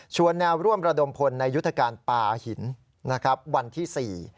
ชวนแนวร่วมระดมพลในยุทธการปลาหินวันที่๔